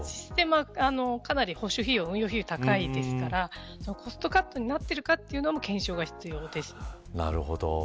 かなり保守費用が高いですからコストカットになってるかも検証が必要です。